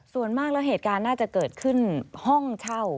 ส่วนมากแล้วเหตุการณ์น่าจะเกิดขึ้นห้องเช่า